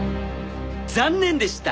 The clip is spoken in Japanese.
残念でした。